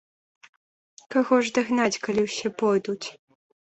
Каго ж даганяць, калі ўсе пойдуць.